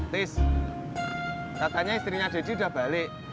tis katanya istrinya daddy udah balik